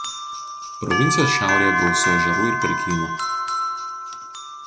Provincijos šiaurėje gausu ežerų ir pelkynų.